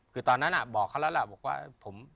คือตอนนั้นบอกเขาแล้วล่ะบอกว่าผม